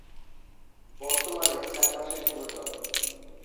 বর্তমানে চারপাশে ঘন জঙ্গল।